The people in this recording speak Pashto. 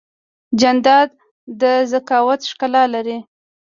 جانداد د ذکاوت ښکلا لري.